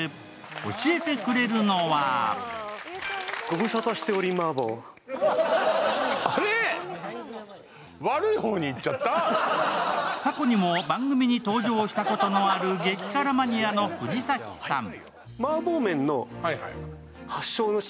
教えてくれるのは過去にも番組に登場したことのある激辛マニアの藤崎さん。